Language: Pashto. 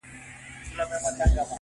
پر یوه بیرغ به ټول سي اولسونه،